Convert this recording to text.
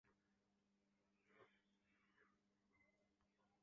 Maverick রওনা দিয়েছে।